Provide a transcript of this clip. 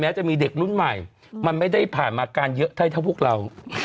จะมีเด็กรุ่นใหม่มันไม่ได้ผ่านมาการเยอะเท่าพวกเรา